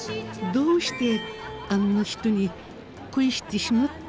どうしてあんな人に恋してしまったのかしら？